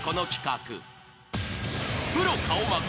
［プロ顔負け］